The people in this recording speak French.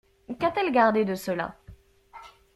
Qu'a-t-elle gardé de cela.